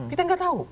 kita enggak tahu